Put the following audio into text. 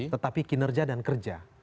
tetapi kinerja dan kerja